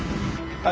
はい。